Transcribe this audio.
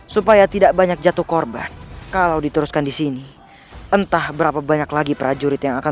supaya tidak banyak jatuh korban kalau diteruskan di sini entah berapa banyak lagi prajurit yang akan